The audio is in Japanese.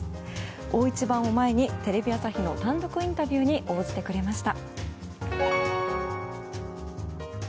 大一番を前にテレビ朝日の単独インタビューに応じてくれました。